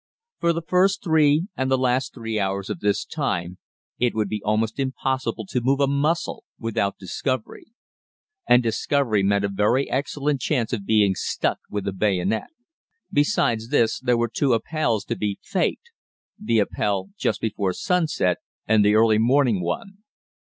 For the first three and the last three hours of this time it would be almost impossible to move a muscle without discovery. And discovery meant a very excellent chance of being stuck with a bayonet. Besides this, there were two Appells to be "faked" the Appell just before sunset and the early morning one.